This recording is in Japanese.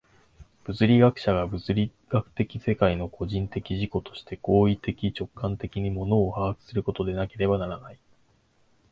物理学者が物理学的世界の個人的自己として行為的直観的に物を把握することでなければならない。